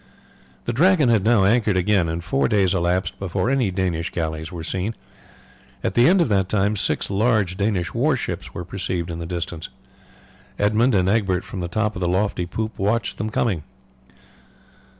The Dragon had now anchored again, and four days elapsed before any Danish galleys were seen. At the end of that time six large Danish war ships were perceived in the distance. Edmund and Egbert from the top of the lofty poop watched them coming.